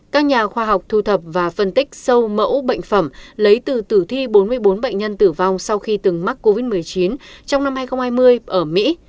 các nhà khoa học thu thập và phân tích sâu mẫu bệnh phẩm lấy từ tử thi bốn mươi bốn bệnh nhân tử vong sau khi từng mắc covid một mươi chín trong năm hai nghìn hai mươi ở mỹ